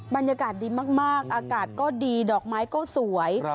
บรรยากาศดีมากอากาศก็ดีดอกไม้ก็สวย